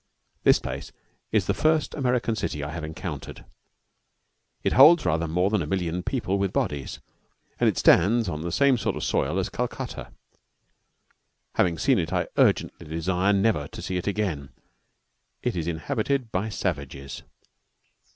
This place is the first American city I have encountered. It holds rather more than a million of people with bodies, and stands on the same sort of soil as Calcutta. Having seen it, I urgently desire never to see it again. It is inhabited by savages.